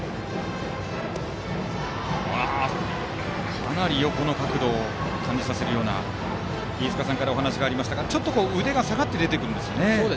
かなり横の角度を感じさせるような飯塚さんからお話がありましたが腕が下がって出てくるんですよね。